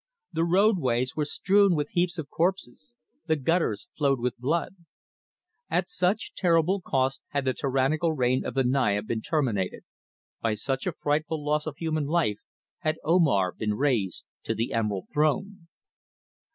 The road ways were strewn with heaps of corpses; the gutters flowed with blood. At such terrible cost had the tyrannical reign of the Naya been terminated; by such a frightful loss of human life had Omar been raised to the Emerald Throne.